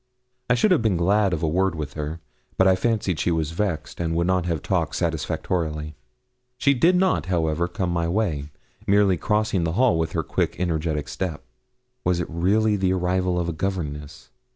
I should have been glad of a word with her; but I fancied she was vexed, and would not have talked satisfactorily. She did not, however, come my way; merely crossing the hall with her quick, energetic step. Was it really the arrival of a governess?